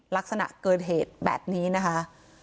ลักษณะเกิดเหตุแบบนี้นะคะ